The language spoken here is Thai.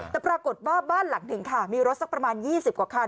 แต่ปรากฏว่าบ้านหลังหนึ่งค่ะมีรถสักประมาณ๒๐กว่าคัน